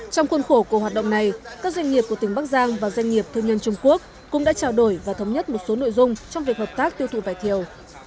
trong khuôn khổ của hoạt động này các doanh nghiệp của tỉnh bắc giang và doanh nghiệp thương nhân trung quốc cũng đã trao đổi và thống nhất một số nội dung trong việc hợp tác tiêu thụ vải thiều